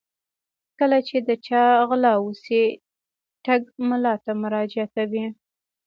کله چې د چا غلا وشي ټګ ملا ته مراجعه کوي.